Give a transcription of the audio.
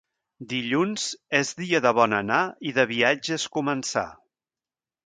Dilluns és dia de bon anar i de viatges començar.